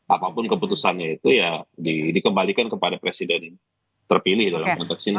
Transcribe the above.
apapun keputusannya itu ya dikembalikan kepada presiden terpilih dalam konteks ini